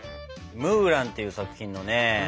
「ムーラン」っていう作品のね